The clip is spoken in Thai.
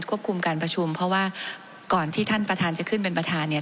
คุมการประชุมเพราะว่าก่อนที่ท่านประธานจะขึ้นเป็นประธานเนี่ย